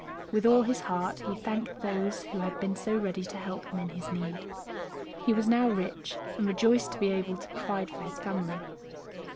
With all his heart he thanked those who had been so ready to help him in his need. He was now rich, and rejoiced to be able to provide for his family.